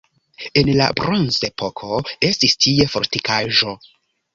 En la bronzepoko estis tie fortikaĵo.